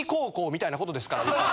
みたいなことですから。